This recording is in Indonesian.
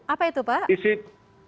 apa itu pak